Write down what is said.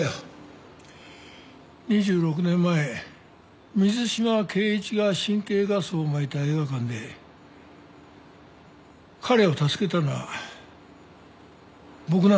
２６年前水島恵一が神経ガスをまいた映画館で彼を助けたのは僕なんだ。